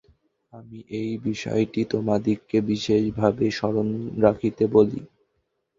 আমি এই বিষয়টি তোমাদিগকে বিশেষভাবে স্মরণ রাখিতে বলি।